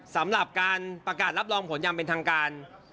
สำหรับการประกาศรับรองผลอย่างเป็นทางการ